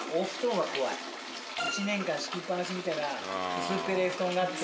１年間敷きっぱなしみたいな薄っぺれぇ布団があって。